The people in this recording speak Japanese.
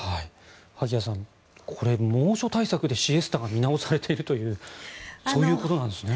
萩谷さんこれ猛暑対策でシエスタが見直されているというそういうことなんですね。